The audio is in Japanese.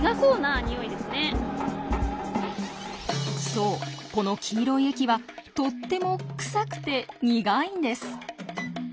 そうこの黄色い液はとっても臭くて苦いんです。